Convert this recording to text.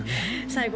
最後